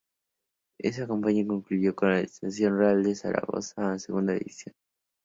Esa campaña concluyó con el descenso del Real Zaragoza a Segunda División.